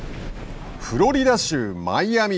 フロリダ州・マイアミ。